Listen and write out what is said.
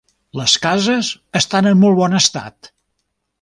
Les cases estan en molt bon estat.